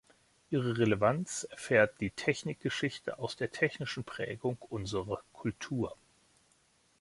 Ihre Relevanz erfährt die Technikgeschichte aus der technischen Prägung unserer Kultur.